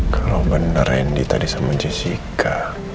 kalau benar randy tadi sama jessica